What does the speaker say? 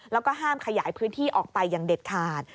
แล้วก็ห้ามขยายพื้นที่ออกไปอย่างเด็ดขาด